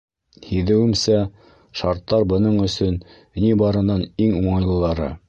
Һиҙеүемсә, шарттар бының өсөн ни барынан иң уңайлылары.